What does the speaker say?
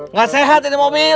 nggak sehat ini mobil